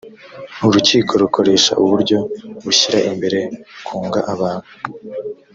urukiko rukoresha uburyo bushyira imbere kunga abantu